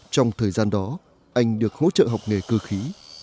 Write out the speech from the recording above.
trong thời gian đó anh được hỗ trợ học nghề cơ khí